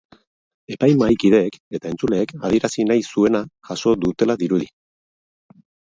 Epaimahai-kideek eta entzuleek adierazi nahi zuena jaso dutela dirudi.